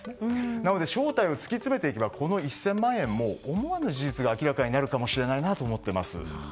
なので正体を突き詰めていけばこの１０００万円も思わぬ事実が明らかになるかもしれないなと思っています。